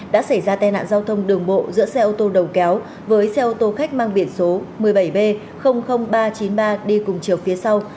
đã xảy ra tai nạn giao thông đường bộ giữa xe ô tô đầu kéo với xe ô tô khách mang biển số một mươi bảy b ba trăm chín mươi ba đi cùng chiều phía sau